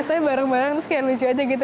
saya bareng bareng terus kayak lucu aja gitu